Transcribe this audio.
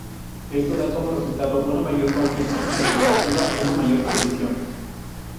Esto da como resultado una mayor confianza interpretativa y una mayor precisión.